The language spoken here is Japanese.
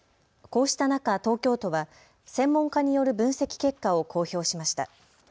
こうした中、東京都は専門家による分析結果を公表しました。